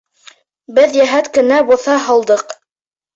Беҙ йәһәт кенә боҫа һалдыҡ.